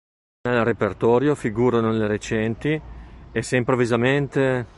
Nel repertorio figurano le recenti "E se improvvisamente...!